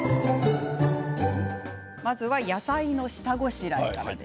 まずは野菜の下ごしらえからです。